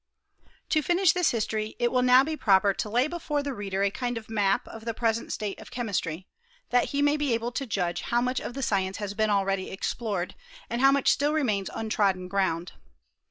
To finish this history it will be now proper to lay before the reader a kind of map of the present state of chemistry, that he may be able to judge how much of the science has been already explored, and how much still remains untrodden ground.